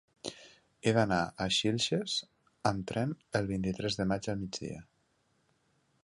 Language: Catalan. He d'anar a Xilxes amb tren el vint-i-tres de maig al migdia.